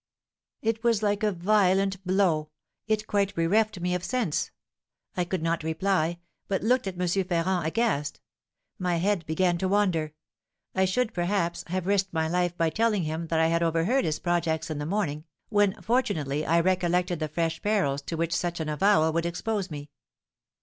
"It was like a violent blow; it quite bereft me of sense. I could not reply, but looked at M. Ferrand aghast; my head began to wander. I should, perhaps, have risked my life by telling him that I had overheard his projects in the morning, when fortunately I recollected the fresh perils to which such an avowal would expose me.